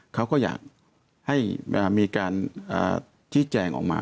เขาก็อยากให้มีการชี้แจงออกมา